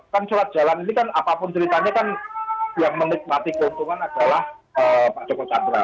kan surat jalan ini kan apapun ceritanya kan yang menikmati keuntungan adalah pak joko candra